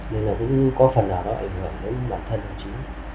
nên là cũng có phần nào nó ảnh hưởng đến bản thân đồng chí